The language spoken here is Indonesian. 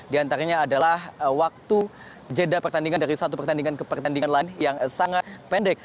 di antaranya adalah waktu jeda pertandingan dari satu pertandingan ke pertandingan lain yang sangat pendek